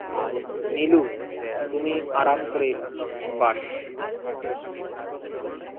নীলু, তুমি আরাম করে বাস।